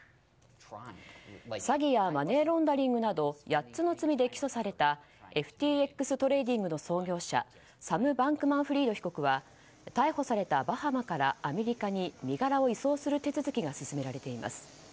詐欺やマネーロンダリングなど８つの罪で起訴されたＦＴＸトレーディングの創業者サム・バンクマンフリード被告は逮捕されたバハマからアメリカに身柄を移送する手続きが進められています。